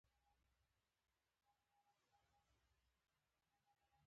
ځمکنی شکل د افغانستان د ملي اقتصاد یوه ډېره مهمه برخه ده.